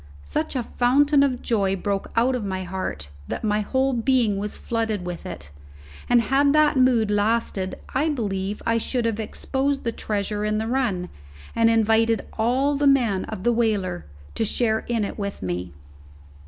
Such a fountain of joy broke out of my heart that my whole being was flooded with it, and had that mood lasted I believe I should have exposed the treasure in the run, and invited all the men of the whaler to share in it with me.